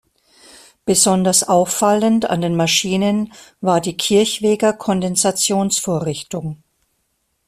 Besonders auffallend an den Maschinen war die Kirchweger-Kondensationsvorrichtung.